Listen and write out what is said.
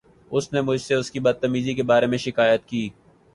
اُس نے مجھ سے اس کی بد تمیزی کے بارے میں شکایت کی۔